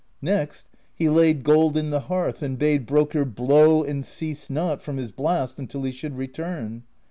Next, he laid gold in the hearth and bade Brokkr blow and cease not from his blast until he should return.